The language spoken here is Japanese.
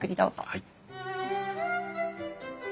はい。